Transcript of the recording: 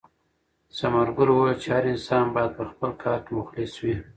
ثمرګل وویل چې هر انسان باید په خپل کار کې مخلص وي.